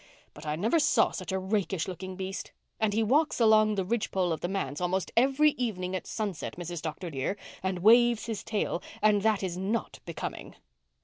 But I never saw such a rakish looking beast. And he walks along the ridgepole of the manse almost every evening at sunset, Mrs. Dr. dear, and waves his tail, and that is not becoming."